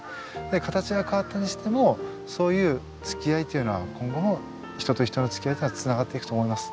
形が変わったにしてもそういうつきあいというのは今後も人と人のつきあいっていうのはつながっていくと思います。